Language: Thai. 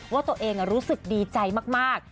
ว่าตัวเองรู้สึกดีใจมาก